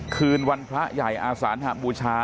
คืนวันพระใหญ่อาสานหบูชา